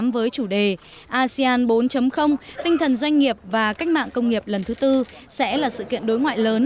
với chủ đề asean bốn tinh thần doanh nghiệp và cách mạng công nghiệp lần thứ tư sẽ là sự kiện đối ngoại lớn